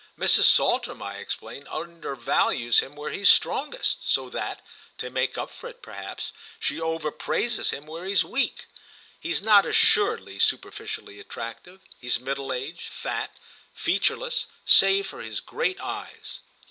"Mrs. Saltram," I explained, "undervalues him where he's strongest, so that, to make up for it perhaps, she overpraises him where he's weak. He's not, assuredly, superficially attractive; he's middle aged, fat, featureless save for his great eyes."